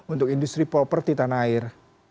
untuk industri properti tanah air